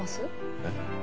えっ？